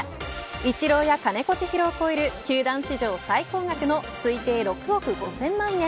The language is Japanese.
イチローや金子千尋を超える球団史上最高額の推定６億５０００万円。